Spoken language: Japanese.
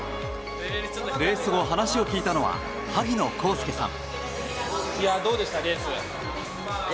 レース後、話を聞いたのは萩野公介さん。